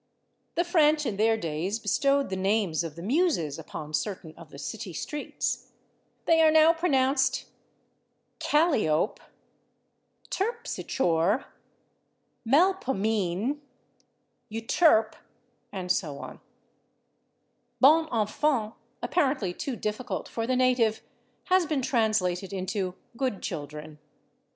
The French, in their days, bestowed the names of the Muses upon certain of the city streets. They are now pronounced /Cal´ y ope/, /Terp´ si chore/, /Mel po mean´/, /You terp´/, and so on. /Bon Enfants/, apparently too difficult for the native, has been translated into /Good Children